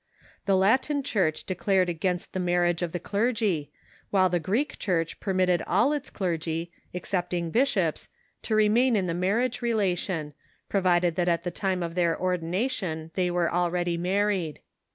The Latin Church declared against the mar riage of the clergy, while the Greek Church permitted all its clergy, excepting bishops, to remain in the marriage relation, provided that at the time of their ordination they were al ready married.